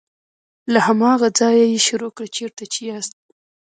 له هماغه ځایه یې شروع کړه چیرته چې یاست.